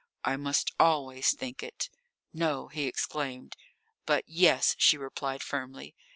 I must always think it." "No!" he exclaimed. "But yes," she replied firmly.